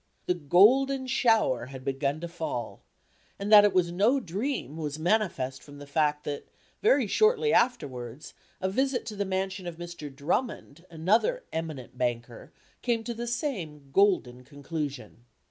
The golden shower had begun to fall, and that it was no dream was manifest from the fact that, very shortly afterwards, a visit to the mansion of Mr. Drummond, another eminent banker, came to the same golden conclusion.